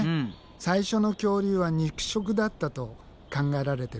最初の恐竜は肉食だったと考えられてるんだ。